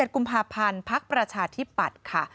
๑กุมภาพันธ์ภักดิ์ประชาธิปัตย์ค่ะ